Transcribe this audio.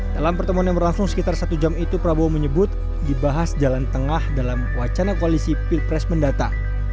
dalam pertemuan yang berlangsung sekitar satu jam itu prabowo menyebut dibahas jalan tengah dalam wacana koalisi pilpres mendata